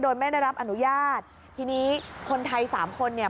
โดยไม่ได้รับอนุญาตทีนี้คนไทยสามคนเนี่ย